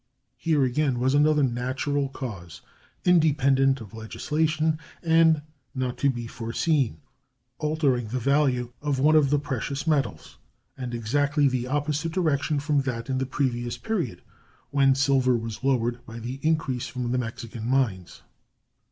Here, again, was another natural cause, independent of legislation, and not to be foreseen, altering the value of one of the precious metals, and in exactly the opposite direction from that in the previous period, when silver was lowered by the increase from the Mexican mines.